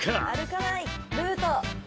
歩かないルート。